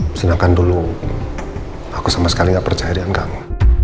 mesin akan dulu aku sama sekali gak percaya dengan kamu